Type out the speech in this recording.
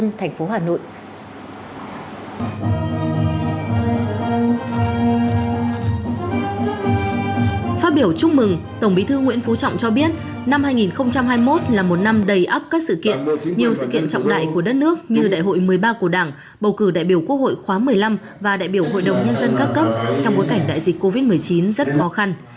chào mừng tổng bí thư nguyễn phú trọng cho biết năm hai nghìn hai mươi một là một năm đầy ấp các sự kiện nhiều sự kiện trọng đại của đất nước như đại hội một mươi ba của đảng bầu cử đại biểu quốc hội khóa một mươi năm và đại biểu hội đồng nhân dân các cấp trong bối cảnh đại dịch covid một mươi chín rất khó khăn